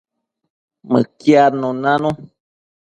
Mëquiadnun nanu